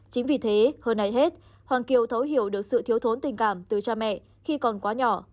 chính vì thế hơn ai hết hoàng kiều thấu hiểu được sự thiếu thốn tình cảm từ cha mẹ khi còn quá nhỏ